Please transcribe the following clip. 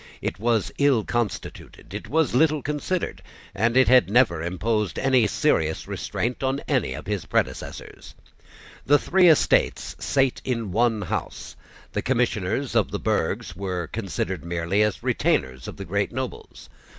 It was ill constituted: it was little considered; and it had never imposed any serious restraint on any of his predecessors. The three Estates sate in one house. The commissioners of the burghs were considered merely as retainers of the great nobles.